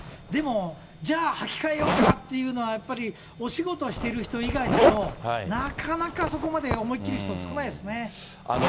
でも、じゃあ履き替えようかっていうのは、やっぱりお仕事している人以外だと、なかなかそこまで思い切る人、少ないですね。